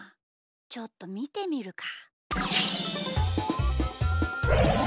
ちょっとみてみるか。